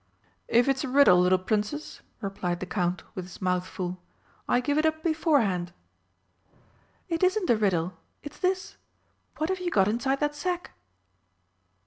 "If it's a riddle, little Princess," replied the Count, with his mouth full, "I give it up beforehand." "It isn't a riddle. It's this: What have you got inside that sack?"